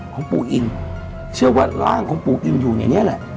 ของปู่อินเชื่อว่าร่างของปู่อินอยู่ในนี้แหละ